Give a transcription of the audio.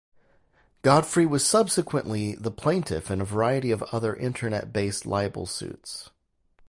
Godfrey was subsequently the plaintiff in a variety of other internet-based libel suits.